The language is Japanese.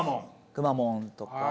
くまモンとか。